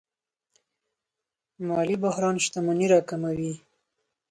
مالي بحران شتمني راکموي.